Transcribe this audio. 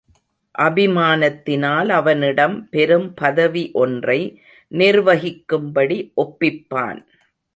அபிமானத்தினால் அவனிடம் பெரும் பதவி ஒன்றை நிர்வகிக்கும்படி ஒப்பிப்பான்.